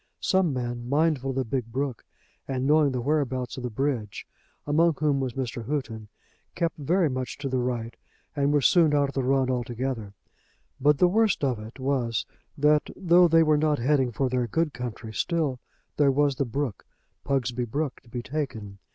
Some men mindful of the big brook and knowing the whereabouts of the bridge, among whom was Mr. Houghton, kept very much to the right and were soon out of the run altogether. But the worst of it was that though they were not heading for their good country, still there was the brook, Pugsby brook, to be taken.